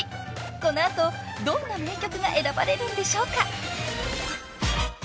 ［この後どんな名曲が選ばれるんでしょうか？］